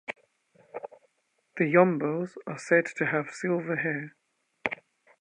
The Yomboes are said to have silver hair.